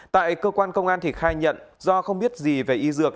tại cơ quan công an thị khai nhận do không biết gì về y dược